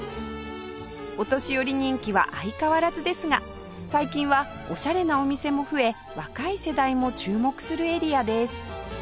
お年寄り人気は相変わらずですが最近はおしゃれなお店も増え若い世代も注目するエリアです